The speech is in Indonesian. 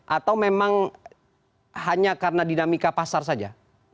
atau memang hanya karena dinamika pasar saja